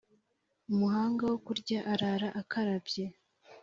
Umuhanga wo kurya arara akarabye.